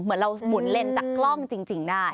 เหมือนเราหมุนเลนจากกล้องจริงได้